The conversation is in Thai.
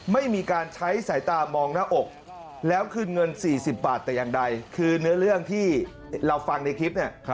ไม่มีการใช้สายตามองหน้าอกแล้วคืนเงิน๔๐บาทแต่อย่างใดคือเนื้อเรื่องที่เราฟังในคลิปเนี่ย